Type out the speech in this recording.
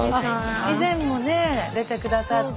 以前もね出て下さった。